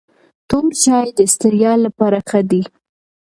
تور چای د ستړیا لپاره ښه دی.